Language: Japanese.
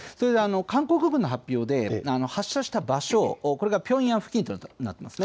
韓国軍の発表で発射した場所、これがピョンヤン付近となっています。